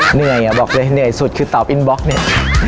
เหนื่อยอ่ะบอกเลยเหนื่อยสุดคือเตาอินบล็อกเนี่ย